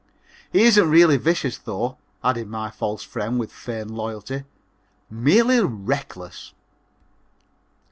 "He isn't really vicious, though," added my false friend with feigned loyalty "merely reckless."